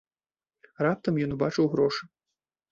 Раптам ён убачыў грошы.